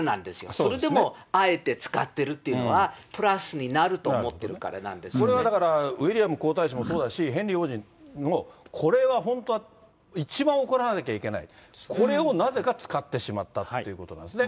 それでも、あえて使ってるっていうのは、プラスになると思ってるこれはだから、ウィリアム皇太子もそうだし、ヘンリー王子も、これは本当は一番怒らなきゃいけない、これをなぜか使ってしまったっていうことなんですね。